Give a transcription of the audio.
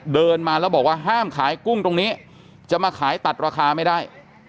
เดินมาแล้วบอกว่าห้ามขายกุ้งตรงนี้จะมาขายตัดราคาไม่ได้